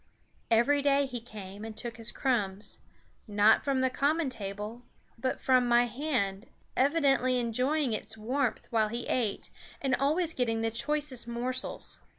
Every day he came and took his crumbs, not from the common table, but from my, hand, evidently enjoying its warmth while he ate, and always getting the choicest morsels.